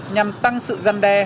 nhằm tăng sự giam đe